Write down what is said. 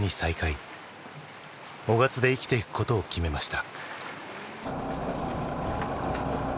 雄勝で生きていくことを決めました。